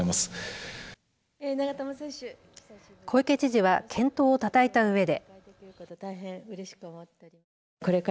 小池知事は健闘をたたえたうえで。